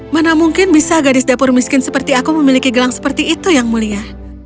mana mungkin bisa gadis dapur miskin seperti aku memiliki gelang seperti itu yang mulia